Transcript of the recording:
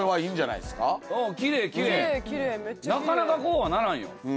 なかなかこうはならんよ。